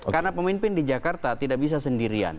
karena pemimpin di jakarta tidak bisa sendirian